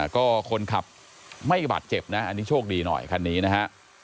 ก็คนขับไม่บาดเจ็บนะอันนี้โชคดีหน่อยคันนี้นะฮะ